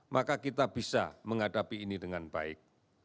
maka kita bisa menghadapi ini dengan baik